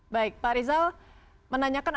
pak rizal menanyakan